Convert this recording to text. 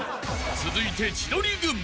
［続いて千鳥軍。